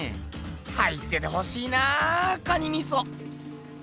入っててほしいな蟹みそ！